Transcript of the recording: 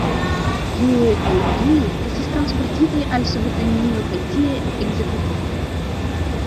Iuj el ili estis transportitaj al Sovetunio kaj tie ekzekutitaj.